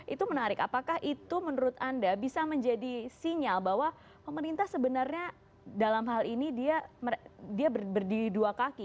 itu menarik apakah itu menurut anda bisa menjadi sinyal bahwa pemerintah sebenarnya dalam hal ini dia berdiri dua kaki